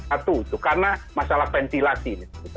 satu karena masalah ventilasi